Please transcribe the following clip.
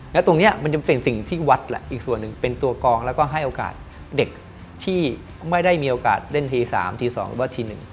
แล้วตรงนี้มันยังเป็นสิ่งที่วัดแหละอีกส่วนหนึ่งเป็นตัวกองแล้วก็ให้โอกาสเด็กที่ไม่ได้มีโอกาสเล่นที๓ที๒หรือว่าที๑